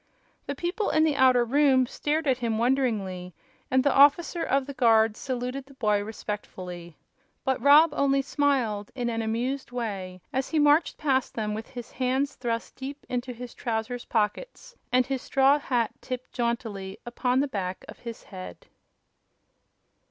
The people in the outer room stared at him wonderingly and the officer of the guard saluted the boy respectfully. But Rob only smiled in an amused way as he marched past them with his hands thrust deep into his trousers' pockets and his straw hat tipped jauntily upon the back of his head.